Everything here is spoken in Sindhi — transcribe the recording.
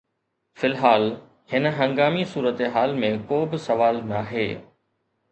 في الحال، هن هنگامي صورتحال ۾ ڪو به سوال ناهي